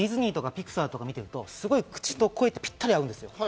ディズニーとかピクサーとかを見てると、口と声がぴったり合うんです。